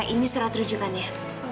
ini surat rujukannya